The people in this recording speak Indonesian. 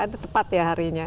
itu tepat ya harinya